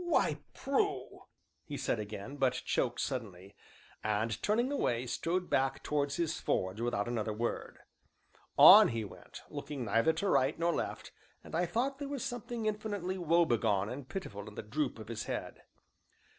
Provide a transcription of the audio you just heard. "Why, Prue " he said again, but choked suddenly, and, turning away, strode back towards his forge without another word. On he went, looking neither to right nor left, and I thought there was something infinitely woebegone and pitiful in the droop of his head.